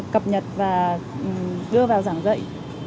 cập nhật và đưa vào giảng dạy